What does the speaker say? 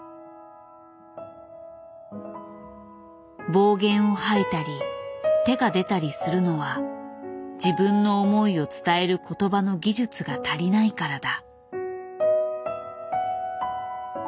暴言を吐いたり手が出たりするのは自分の思いを伝える言葉の技術が足りないからだ。